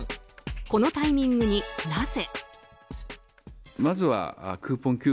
このタイミングに、なぜ？